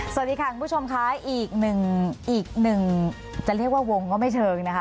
สวัสดีค่ะคุณผู้ชมค่ะอีกหนึ่งอีกหนึ่งจะเรียกว่าวงก็ไม่เชิงนะคะ